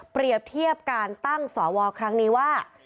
เทียบการตั้งสวครั้งนี้ว่า